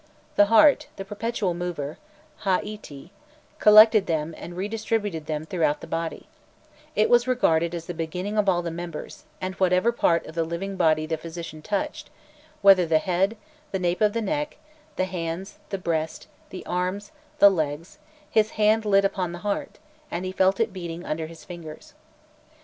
The heart, the perpetual mover hâîti collected them and redistributed them throughout the body: it was regarded as "the beginning of all the members," and whatever part of the living body the physician touched, "whether the head, the nape of the neck, the hands, the breast, the arms, the legs, his hand lit upon the heart," and he felt it beating under his fingers.